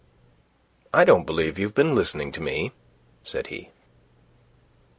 "I don't believe you've been listening to me," said he.